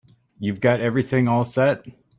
You've got everything all set?